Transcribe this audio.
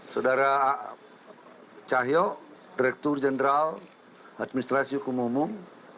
saudara cahyok direktur jenderal administrasi hukum umum